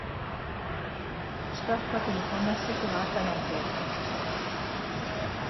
地下深くにこんな施設があったなんて